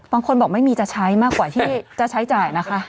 บางคนบอกไม่มีจะใช้มากกว่าที่จะใช้จ่ายนะคะ